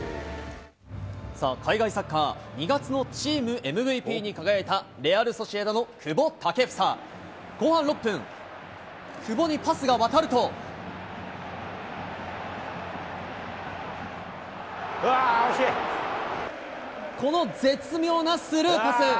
海外サッカー、２月のチームＭＶＰに輝いた、レアル・ソシエダの久保建英。後半６分、久保にパスが渡ると、この絶妙なスルーパス。